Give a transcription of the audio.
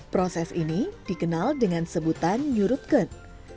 proses ini dikenal dengan sebutan nyurutken